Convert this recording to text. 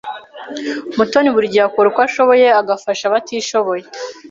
Mutoni buri gihe akora uko ashoboye agafasha abatishoboye.